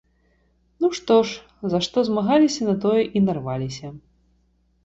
Ну што ж, за што змагаліся, на тое і нарваліся.